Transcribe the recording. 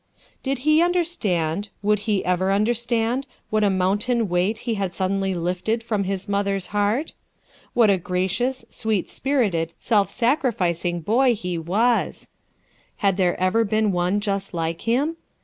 Did he understand, would lie ever understand, what a mountain weight he had suddenly lifted from his mother's heart? What a gracious, eweet spirited, self sacrificing boy he was ! Had "NEVER MIND, MOMMIE" 25 there ever been one just like him?